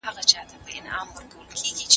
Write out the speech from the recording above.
د تیزس مسوده باید څو ځله ولیکل سي.